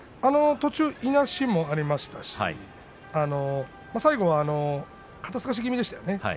途中、いなしもありましたし最後は肩すかし気味でしたよね。